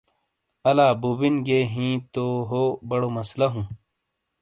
الہ بُوبِن گِیئے ہی تو ہو بڑو مسلہ ہوں۔